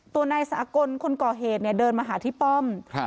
ตัวนายสากลคนก่อเหตุเนี่ยเดินมาหาที่ป้อม